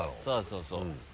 そうそう。